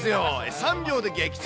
３秒で撃沈。